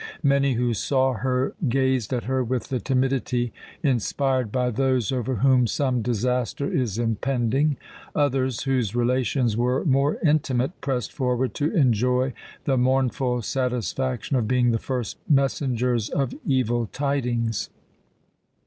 Many who saw her gazed at her with the timidity inspired by those over whom some disaster is impending. Others, whose relations were more intimate, pressed forward to enjoy the mournful satisfaction of being the first messengers of evil tidings.